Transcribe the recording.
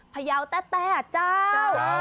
พยาวแท้อ่ะเจ้า